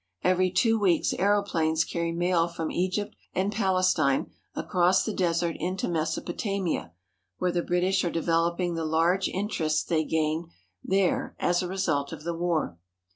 Every two weeks aeroplanes carry mail from Egypt and Palestine across the desert into Mesopotamia, where the British are developing the large interests they gained there as a result of the war.